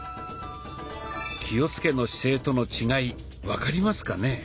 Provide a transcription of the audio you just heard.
「気をつけの姿勢」との違い分かりますかね？